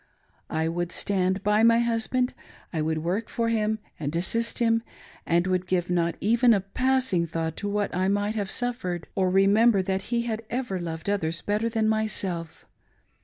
I would stand by my husband, I would work for, and assist, him, and would give not even a passing thought to what I might have suffered, or remember that he had ever loved others bet ter than myself.